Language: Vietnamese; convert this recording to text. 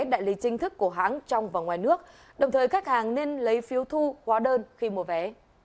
đại lý chính thức của hãng trong và ngoài nước đồng thời khách hàng nên lấy phiếu thu hóa đơn khi mua vé